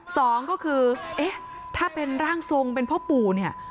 สองก็คือเอ๊ะถ้าเป็นร่างทรงเป็นพ่อปู่เนี่ย